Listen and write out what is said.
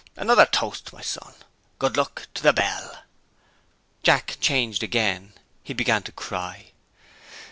Another toast, my son. Good luck to the bell!" Jack changed again; he began to cry.